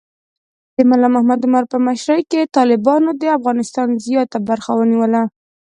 د ملا محمد عمر په مشرۍ کې طالبانو د افغانستان زیات برخه ونیوله.